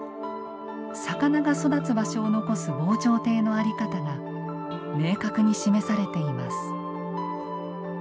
魚が育つ場所を残す防潮堤の在り方が明確に示されています。